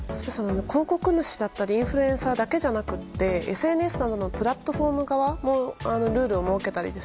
広告主だったりインフルエンサーだけじゃなくてＳＮＳなどのプラットフォーム側もルールを設けたり